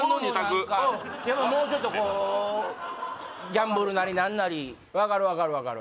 岡野も何かやっぱもうちょっとこうギャンブルなり何なり分かる分かる分かる